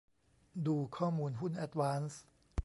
ดูข้อมูลหุ้นแอดวานซ์